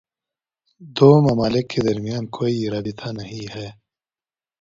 دو ممالک کے درمیان کوئی رابطہ نہیں ہے